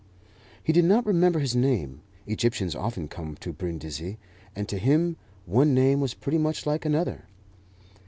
He did not remember his name. Egyptians often came to Brindisi, and to him one name was pretty much like another.